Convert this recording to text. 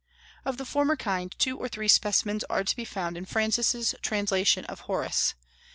Of the former kind two or three specimens are to be found in Francis' translation of Horace.